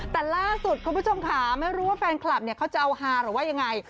แต่ล่าสุดคุณผู้ชมค่ะไม่รู้ว่าแฟนคลับเนี่ยเขาจะเอาฮาหรือว่ายังไง